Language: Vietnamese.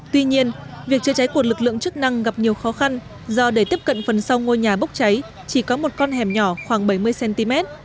tuy nhiên việc chữa cháy của lực lượng chức năng gặp nhiều khó khăn do để tiếp cận phần sau ngôi nhà bốc cháy chỉ có một con hẻm nhỏ khoảng bảy mươi cm